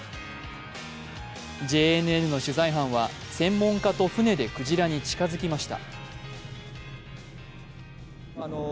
ＪＮＮの取材班は、専門家と船でクジラに近づきました。